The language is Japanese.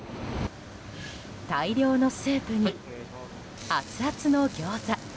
大量のスープにアツアツのギョーザ。